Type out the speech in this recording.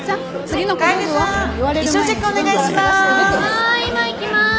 はーい今行きます。